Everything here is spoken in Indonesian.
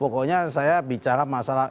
pokoknya saya bicara masalah